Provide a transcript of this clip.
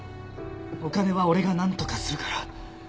お金は俺がなんとかするから。